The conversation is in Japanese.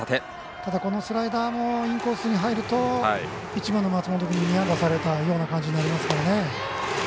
ただ、スライダーもインコースに入ると１番の松本君に安打されたようになりますからね。